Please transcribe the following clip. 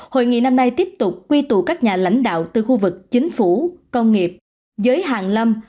hội nghị năm nay tiếp tục quy tụ các nhà lãnh đạo từ khu vực chính phủ công nghiệp giới hàng lâm